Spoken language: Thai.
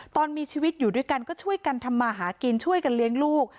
ตอนมีชีวิตอยู่ด้วยกันก็ช่วยกันทำมาหากินช่วยกันเลี้ยงลูก